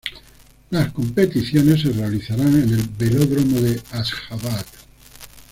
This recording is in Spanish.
Las competiciones se realizarán en el Velódromo de Asjabad.